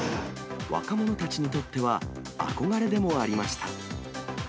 若者たちにとっては、憧れでもありました。